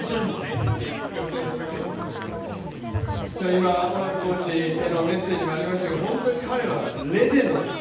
今オラフコーチへのメッセージもありましたが本当に彼はレジェンドだと。